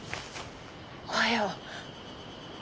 おはよう。